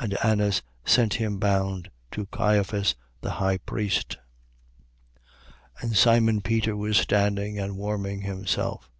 And Annas sent him bound to Caiphas the high priest. 18:25. And Simon Peter was standing and warming himself.